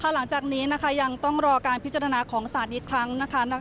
หลังจากนี้ยังต้องรอการพิจารณาของศาลอีกครั้งนะคะ